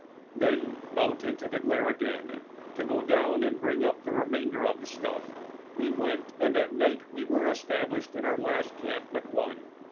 Then out into the glare again, to go down and bring up the remainder of the stuff, we went, and that night we were established in our last camp but one.